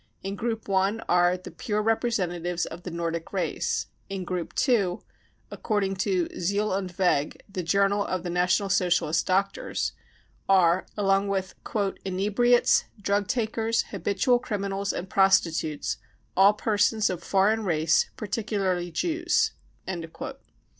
In Group I are the 44 pure representatives of the Nordic race." In Group II (accordii^g to £iel und Weg, the journal of the National Socialist doctors) are, along with 44 inebriates, drug takers, habitual criminals and prostitutes, all persons of foreign race, particularly Jews."